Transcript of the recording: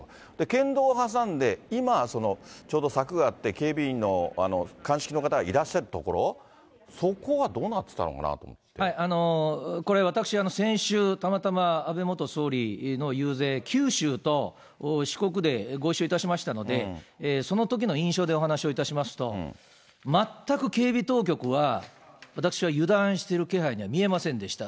県道を挟んで、今、ちょうど柵があって、警備員の、鑑識の方がいらっしゃるところ、そこはどうなってたのかなと思っこれ、私、先週、たまたま安倍元総理の遊説、九州と四国でご一緒しましたので、そのときの印象でお話をいたしますと、全く警備当局は、私は油断している気配には見えませんでした。